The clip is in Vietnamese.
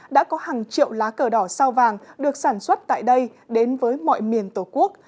đã có hàng triệu lá cờ đỏ sao vàng được sản xuất tại đây đến với mọi miền tổ quốc